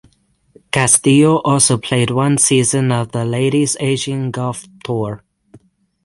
Castillo also played one season on the Ladies Asian Golf Tour.